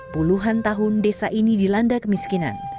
puluhan tahun desa ini dilanda kemiskinan